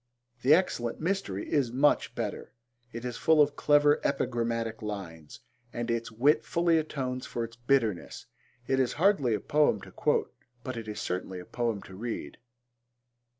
The Excellent Mystery is much better. It is full of clever epigrammatic lines, and its wit fully atones for its bitterness. It is hardly a poem to quote but it is certainly a poem to read.